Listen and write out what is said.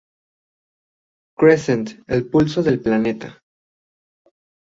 Crescent, "El Pulso del Planeta".